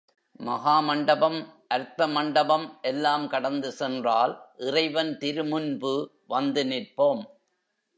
மகா மண்டபம், அர்த்த மண்டபம் எல்லாம் கடந்து சென்றால் இறைவன் திருமுன்பு வந்து நிற்போம்.